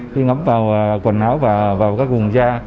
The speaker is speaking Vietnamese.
khi ngắm vào quần áo và vào các vùng da